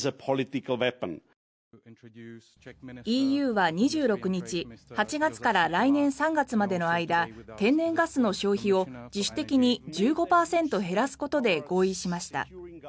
ＥＵは２６日８月から来年３月までの間天然ガスの消費を自主的に１５％減らすことで合意しました。